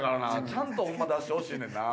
ちゃんとホンマ出してほしいねんな。